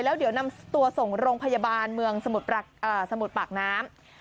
แล้วเดี๋ยวนำตัวส่งโรงพยาบาลเมืองสมุดปากน้ำ